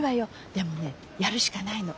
でもねやるしかないの。